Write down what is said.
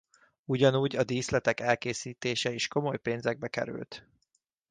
Ugyanúgy a díszletek elkészítése is komoly pénzekbe került.